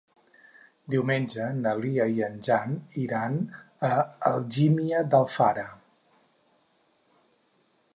Diumenge na Lia i en Jan iran a Algímia d'Alfara.